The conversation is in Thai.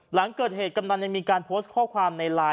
หลังเกิดเหตุกำนันยังมีการโพสต์ข้อความในไลน์